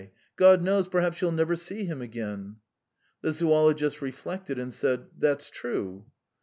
God knows, perhaps you'll never see him again." The zoologist reflected, and said: "That's true."